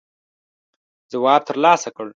ځواب تر لاسه کړ.